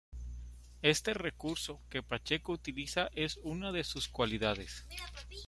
Este recurso que Pacheco utiliza es una de sus cualidades.